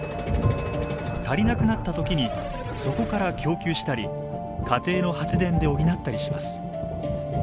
足りなくなった時にそこから供給したり家庭の発電で補ったりします。